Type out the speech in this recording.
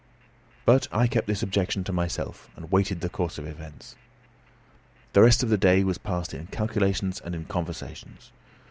But I kept this objection to myself, and waited the course of events. The rest of the day was passed in calculations and in conversations.